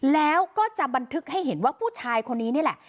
แล้วก็จะบันทึกให้เห็นว่าผู้ชายคนนี้นี่แหละ